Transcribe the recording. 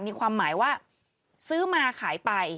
มีความหมายว่าซื้อมาขายไป